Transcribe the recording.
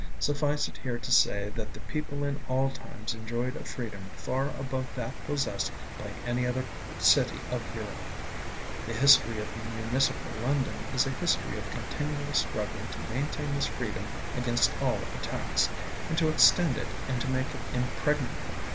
Suffice it here to say that the people in all times enjoyed a freedom far above that possessed by any other city of Europe. The history of municipal London is a history of continual struggle to maintain this freedom against all attacks, and to extend it and to make it impregnable.